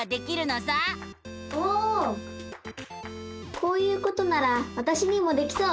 こういうことならわたしにもできそう！